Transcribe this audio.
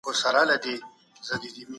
نجلۍ د انګړ جارو واخیسته.